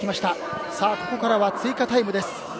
ここからは追加タイムです。